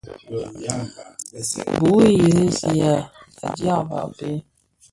Bu i resihà dyangdyag béé.